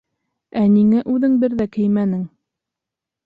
Ә ниңә үҙең бер ҙә кеймәнен?